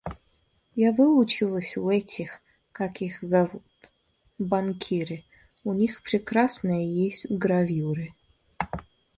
Я выучилась у этих, как их зовут... банкиры... у них прекрасные есть гравюры.